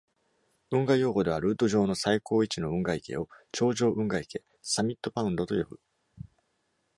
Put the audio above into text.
運河用語では、ルート上の最高位置の運河池を「頂上運河池 （summit pound）」と呼ぶ。